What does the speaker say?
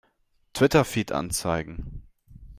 Twitter-Feed anzeigen!